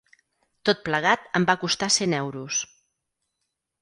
Tot plegat em va costar cent euros.